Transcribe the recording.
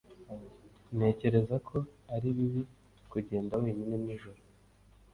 Ntekereza ko ari bibi kugenda wenyine nijoro.